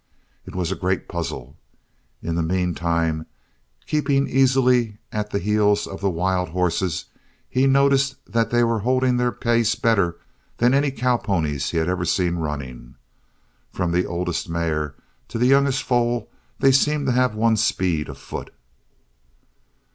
It was a great puzzle. In the meantime, keeping easily at the heels of the wild horses, he noted that they were holding their pace better than any cowponies he had ever seen running. From the oldest mare to the youngest foal they seemed to have one speed afoot.